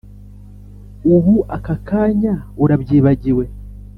Ubu aka kanya urabyibagiwe!